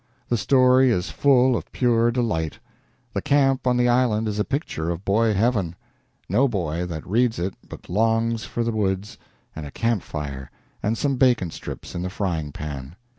The story is full of pure delight. The camp on the island is a picture of boy heaven. No boy that reads it but longs for the woods and a camp fire and some bacon strips in the frying pan.